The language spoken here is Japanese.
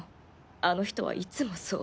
あの人はいつもそう。